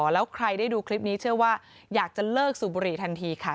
แล้วใครได้ดูคลิปนี้เชื่อว่าอยากจะเลิกสูบบุหรี่ทันทีค่ะ